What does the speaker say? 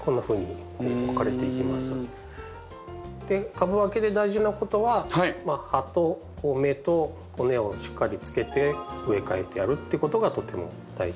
株分けで大事なことは葉と芽と根をしっかりつけて植え替えてやるってことがとても大事になります。